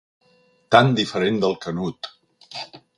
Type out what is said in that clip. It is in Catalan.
Tan diferent del Canut.